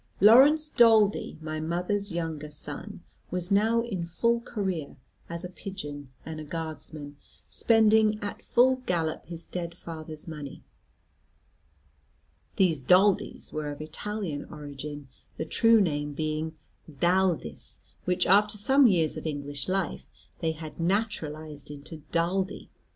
Laurence Daldy, my mother's younger son, was now in full career, as a pigeon and a Guardsman, spending at full gallop his dead father's money. These Daldys were of Italian origin, the true name being D'Aldis, which after some years of English life they had naturalised into Daldy.